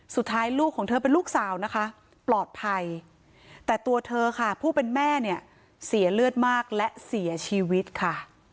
สุดท้ายลูกของเธอเป็นลูกสาวนะคะปลอดภัยแต่ตัวเธอค่ะผู้เป็นแม่เนี่ยเสียเลือดมากและเสียชีวิตค่ะ